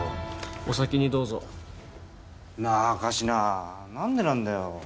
お先にどうぞなあ神志名何でなんだよ？